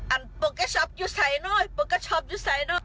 อันโปรแกช็อปอยู่ใส่หน่อยโปรแกช็อปอยู่ใส่หน่อย